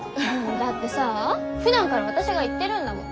だってさふだんから私が言ってるんだもん。